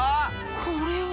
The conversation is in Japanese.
これは。